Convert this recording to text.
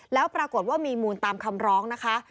แล้วปรากฏว่ามีมูลตามคำร้องนะคะ